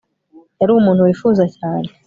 Yari umuntu wifuza cyane